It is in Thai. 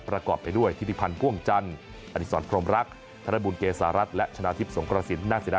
ปรากฏไปด้วยทฤพันธุ์พ่วงจันทร์อนิสรพร่มรักธนบุญเกษารัชและชนะทฤพสงษ์กรสินทร์